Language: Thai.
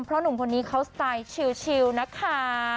เพราะหนุ่มคนนี้เขาสไตล์ชิลนะคะ